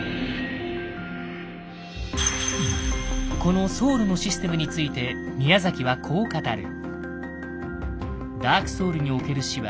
このソウルのシステムについて宮崎はこう語る。